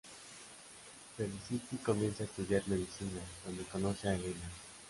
Felicity comienza a estudiar medicina, donde conoce a Elena.